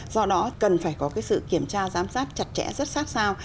do đó cần phải có sự kiểm tra giám sát chặt chẽ rất sát sao